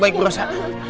baik bu rosa